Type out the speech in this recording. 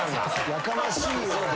やかましい。